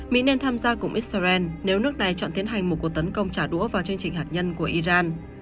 mỹ nên tham gia cùng israel nếu nước này chọn tiến hành một cuộc tấn công trả đũa vào chương trình hạt nhân của iran